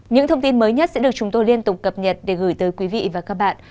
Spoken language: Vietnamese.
những thông tin mới nhất sẽ được chúng tôi liên tục cập nhật để gửi tới quý vị và các bạn